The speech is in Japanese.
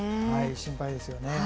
心配ですよね。